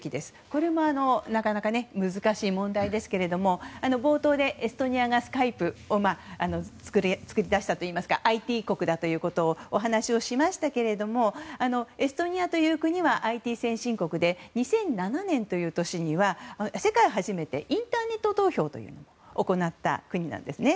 これもなかなか難しい問題ですが冒頭でエストニアがスカイプを作り出したといいますかＩＴ国だということをお話ししましたけれどもエストニアという国はＩＴ先進国で２００７年には世界で初めてインターネット投票を行った国なんですね。